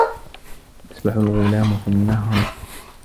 يَسْبَحُ الْغُلاَمُ فِي النَّهْرِ.